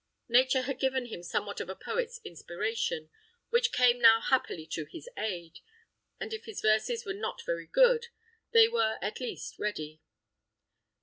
Nature had given him somewhat of a poet's inspiration, which came now happily to his aid, and if his verses were not very good, they were at least ready.